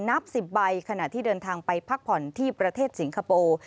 นับ๑๐ใบขณะที่เดินทางไปพักผ่อนที่ประเทศสิงคโปร์